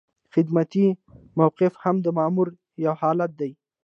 خدمتي موقف هم د مامور یو حالت دی.